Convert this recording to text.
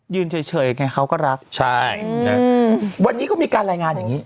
เฉยไงเขาก็รักใช่นะวันนี้ก็มีการรายงานอย่างนี้